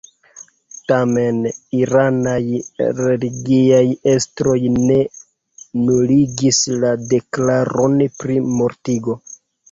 Tamen, iranaj religiaj estroj ne nuligis la deklaron pri mortigo.